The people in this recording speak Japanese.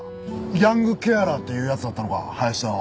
ヤングケアラーっていうやつだったのか林田は。